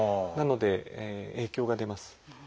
なので影響が出ます。